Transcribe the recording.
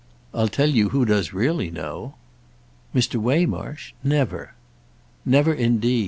"I'll tell you who does really know." "Mr. Waymarsh? Never!" "Never indeed.